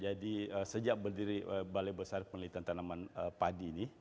jadi sejak berdiri balai besar penelitian tanaman padi ini